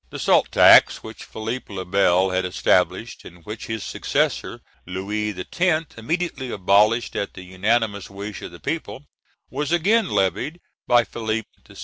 The salt tax, which Philippe le Bel had established, and which his successor, Louis X., immediately abolished at the unanimous wish of the people, was again levied by Philip VI.